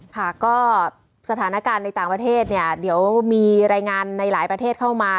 ค่ะก็สถานการณ์ในต่างประเทศเนี่ยเดี๋ยวมีรายงานในหลายประเทศเข้ามา